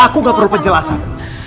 aku gak perlu penjelasan